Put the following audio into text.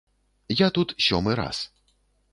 Я тут сёмы раз.